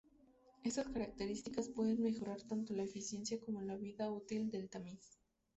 Estas características pueden mejorar tanto la eficiencia como la vida útil del tamiz.